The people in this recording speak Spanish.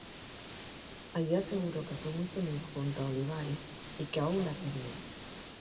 Allí aseguró que fue muy feliz junto a Olivari y que aún la quería.